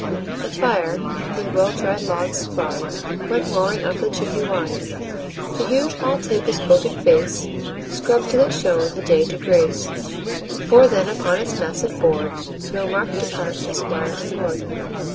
"The fire, with well dried logs supplied, Went roaring up the chimney wide; The huge hall table's oaken face, Scrubb'd till it shone, the day to grace, Bore then, upon its massive board, No mark to part the squire and lord.